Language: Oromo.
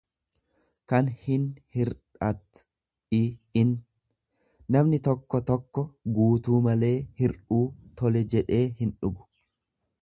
kan hinhirdhat i in; Namni tokko tokko guutuu malee hirdhuu tole jedhee hindhugu.